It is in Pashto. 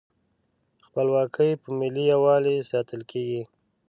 خپلواکي په ملي یووالي ساتل کیږي.